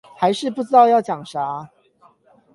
還是不知道要講啥